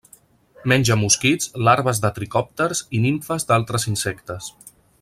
Menja mosquits, larves de tricòpters i nimfes d'altres insectes.